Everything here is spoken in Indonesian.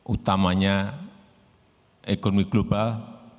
utamanya ekonomi global